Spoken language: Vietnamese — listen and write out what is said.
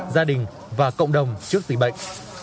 gia đình và cộng đồng trước tình bệnh